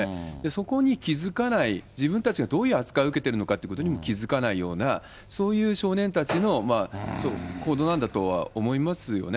そこに気付かない、自分たちがどういう扱いを受けてるのか気付かないような、そういう少年たちの行動なんだとは思いますよね。